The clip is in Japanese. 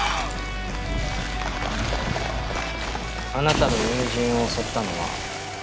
あなたの友人を襲ったのは。